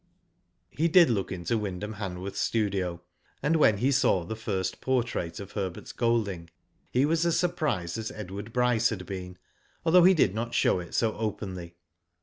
He did look into Wyndham Hanworth's studio, and when he saw the first portrait of Herbert Golding he was as surprised as Edward Bryce had been, although he did notf show it so openiy.